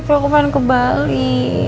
aku pengen ke bali